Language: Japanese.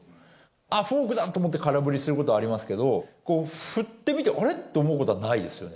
あっ、フォークだと思って空振りすることありますけど、振ってみて、あれ？と思うことはないですよね。